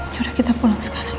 yaudah kita pulang sekarang